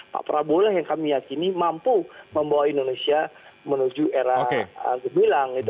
pak prabowo lah yang kami yakini mampu membawa indonesia menuju era kebilang gitu